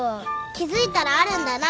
気付いたらあるんだな。